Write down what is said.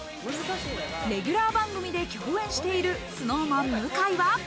レギュラー番組で共演しているＳｎｏｗＭａｎ・向井は。